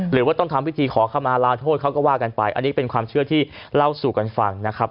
หรือว่าต้องทำพิธีขอขมาลาโทษเขาก็ว่ากันไปอันนี้เป็นความเชื่อที่เล่าสู่กันฟังนะครับ